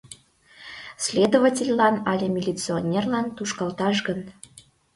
— Следовательлан але милиционерлан тушкалташ гын...